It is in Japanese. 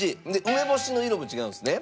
梅干しの色も違うんですね。